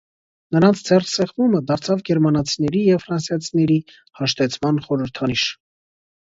Նրանց ձեռքսեղմումը դարձավ գերմանացիների և ֆրանսիացիների հաշտեցման խորհրդանիշ։